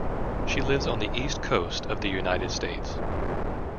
She lives on the East Coast of the United States.